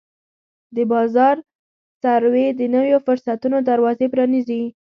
د بازار سروې د نویو فرصتونو دروازې پرانیزي.